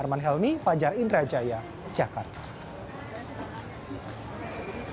arman helmi fajar indrajaya jakarta